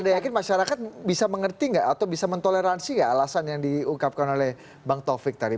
anda yakin masyarakat bisa mengerti nggak atau bisa mentoleransi nggak alasan yang diungkapkan oleh bang taufik tadi